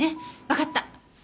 わかった。